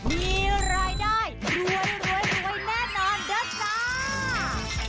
มีรายได้รวยแน่นอนเด้อจ้า